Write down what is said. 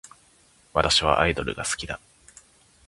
私はアイドルが好きだ